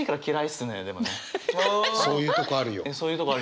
うんそういうとこあるよ。